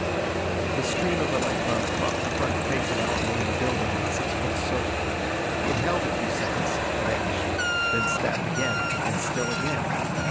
The stream of electrons caught the front face of our main building in a six foot circle. It held a few seconds, vanished; then stabbed again, and still again.